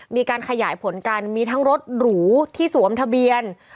มีการขยายผลกันมีทั้งรถหรูที่สวมทะเบียน